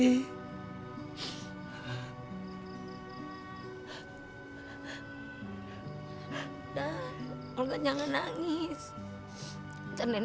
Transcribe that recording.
ihh hehehe benim obatnya gak nyen vmware juga